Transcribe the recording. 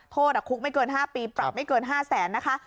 โทษคุกไม่เกิน๕ปีปรับไม่เกิน๕แสนนะคะ